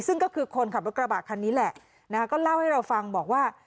ซึ่งก็คือคนขับรถกระบะคันนี้แหละนะคะก็เล่าให้เราฟังบอกว่า